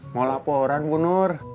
mau laporan bunur